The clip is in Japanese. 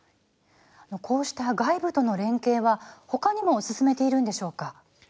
こうした外部との連携はほかにも進めているのでしょうか。